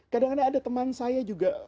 kadang kadang ada teman saya juga